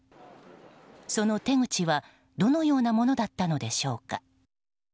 その手口は、どのようなものだったのでしょうか。